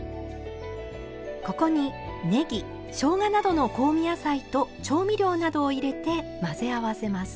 ここにねぎしょうがなどの香味野菜と調味料などを入れて混ぜ合わせます。